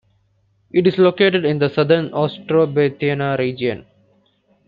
It is located in the Southern Ostrobothnia region.